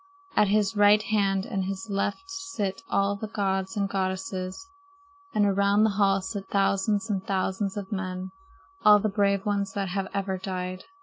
At his right hand and his left sit all the gods and goddesses, and around the hall sit thousands and thousands of men, all the brave ones that have ever died.